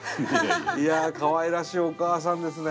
いやかわいらしいお母さんですね。